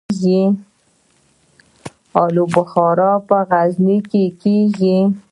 الو بخارا په غزني کې کیږي